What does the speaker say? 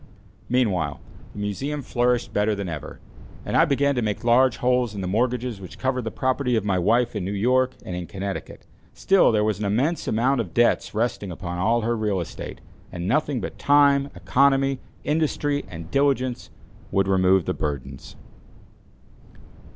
Meanwhile, the Museum flourished better than ever; and I began to make large holes in the mortgages which covered the property of my wife in New York and in Connecticut. Still, there was an immense amount of debts resting upon all her real estate, and nothing but time, economy, industry and diligence would remove the burdens.